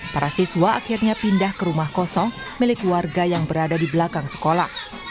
para siswa akhirnya pindah ke rumah kosong milik warga yang berada di belakang sekolah